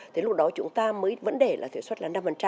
thế lúc đó chúng ta mới vẫn để là thuế xuất là năm